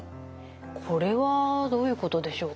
これはどういうことでしょうか？